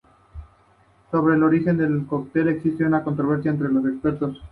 Sobre el origen de este cóctel existe una controversia entre los expertos.